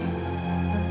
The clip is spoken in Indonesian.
ya pak adrian